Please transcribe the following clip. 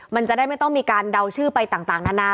มันจะได้ไม่ต้องมีการเดาชื่อไปต่างนานา